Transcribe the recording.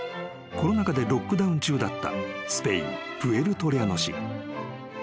コロナ禍でロックダウン中だったスペインプエルトリャノ市］